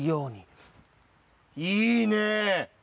いいね！